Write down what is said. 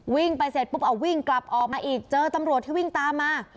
วิ่งไปเสร็จปุ๊บเอาวิ่งกลับออกมาอีกเจอตำรวจที่วิ่งตามมา